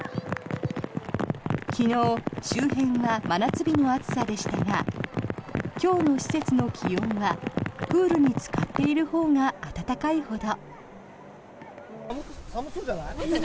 昨日、周辺は真夏日の暑さでしたが今日の施設の気温はプールにつかっているほうが暖かいほど。